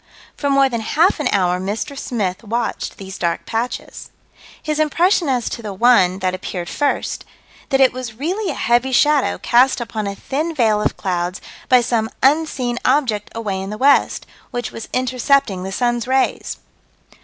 For more than half an hour Mr. Smith watched these dark patches His impression as to the one that appeared first: That it was "really a heavy shadow cast upon a thin veil of clouds by some unseen object away in the west, which was intercepting the sun's rays."